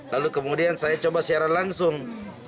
lalu kemudian saya coba secara langsung